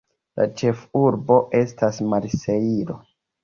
La ĉefurbo estas Marsejlo.